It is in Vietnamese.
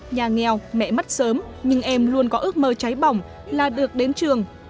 nhà nghèo mẹ mất sớm nhưng em luôn có ước mơ cháy bỏng là được đến trường